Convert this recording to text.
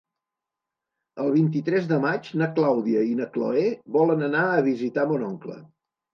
El vint-i-tres de maig na Clàudia i na Cloè volen anar a visitar mon oncle.